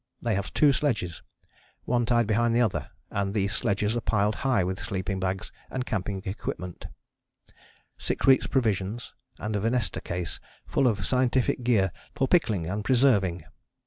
They have two sledges, one tied behind the other, and these sledges are piled high with sleeping bags and camping equipment, six weeks' provisions, and a venesta case full of scientific gear for pickling and preserving.